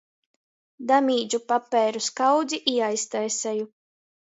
Damīdžu papeiru skaudzi i aiztaiseju.